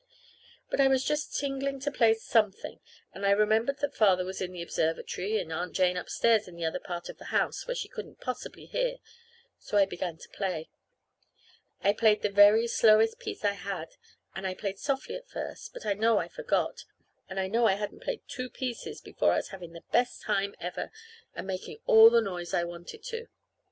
But I was just tingling to play something, and I remembered that Father was in the observatory, and Aunt Jane upstairs in the other part of the house where she couldn't possibly hear. So I began to play. I played the very slowest piece I had, and I played softly at first; but I know I forgot, and I know I hadn't played two pieces before I was having the best time ever, and making all the noise I wanted to.